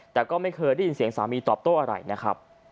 แต่ก็ไม่เคยได้ยินเสียงสามีตอบโต้อะไรนะครับ